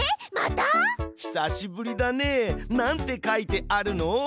久しぶりだね。なんて書いてあるの？